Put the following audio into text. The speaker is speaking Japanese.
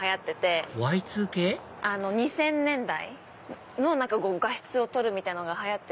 ２０００年代の画質を撮るのが流行ってて。